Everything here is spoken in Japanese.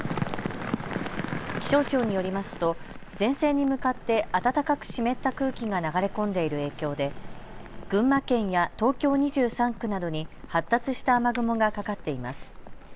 気象庁によりますと前線に向かって暖かく湿った空気が流れ込んでいる影響で群馬県や東京２３区などに発達した雨雲がかかっています。